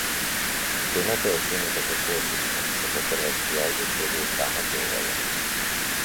Темата е оценета како одлична, но по хрватски јазик добил само доволен.